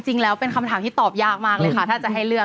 จริงแล้วเป็นคำถามที่ตอบยากมากเลยค่ะถ้าจะให้เลือก